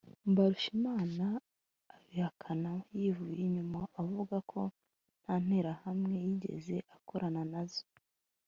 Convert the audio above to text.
Mbarushimana abihakana yivuye inyuma avuga ko nta Nterahamwe yigeze akorana na zo